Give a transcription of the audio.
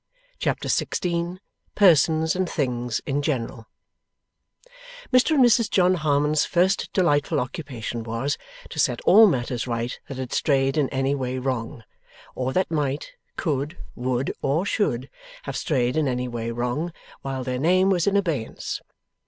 Chapter 16 PERSONS AND THINGS IN GENERAL Mr and Mrs John Harmon's first delightful occupation was, to set all matters right that had strayed in any way wrong, or that might, could, would, or should, have strayed in any way wrong, while their name was in abeyance.